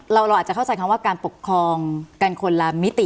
เราอาจจะเข้าใจคำว่าการปกครองกันคนละมิติ